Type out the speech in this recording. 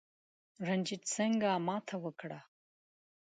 رنجیټ سینګه ماته وکړه.